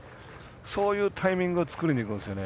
そういうタイミングを作りにいくんですよね。